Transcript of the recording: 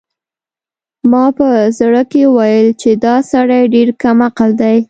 ما په زړه کې وویل چې دا سړی ډېر کم عقل دی.